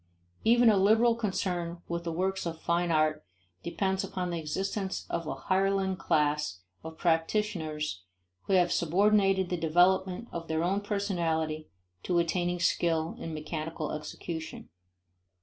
Even a liberal concern with the works of fine art depends upon the existence of a hireling class of practitioners who have subordinated the development of their own personality to attaining skill in mechanical execution.